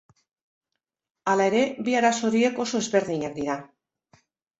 Hala ere, bi arazo horiek oso ezberdinak dira.